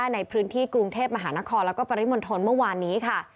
ในพื้นที่กรุงเทพมหานครแล้วก็ปริมณฑลเมื่อวานนี้ค่ะ